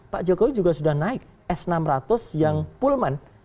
pak jokowi juga sudah naik s enam ratus yang pullman